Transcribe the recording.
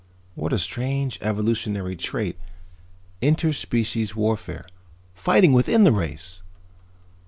What a strange evolutionary trait, inter species warfare. Fighting within the race!"